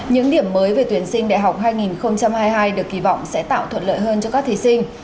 những điểm mới về tuyển sinh đại học hai nghìn hai mươi hai được kỳ vọng sẽ tạo thuận lợi hơn cho các thí sinh